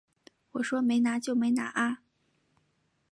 我说没拿就没拿啊